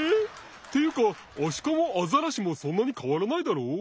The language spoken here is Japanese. っていうかアシカもアザラシもそんなにかわらないだろう？